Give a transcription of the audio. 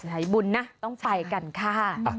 ไหนบุญนะต้องไปกันค่ะ